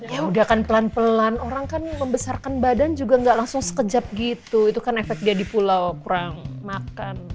ya udah kan pelan pelan orang kan membesarkan badan juga nggak langsung sekejap gitu itu kan efek dia di pulau kurang makan